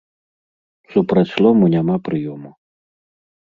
Супраць лому няма прыёму!